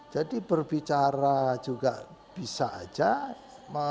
jadi berbicara juga bisa aja